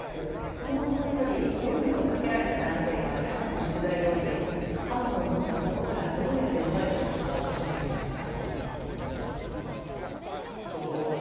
そのうちの１人オイルをかけられた男性が私たちの取材に応じ刃物を持った男からどうやって逃れたのかを証言しました。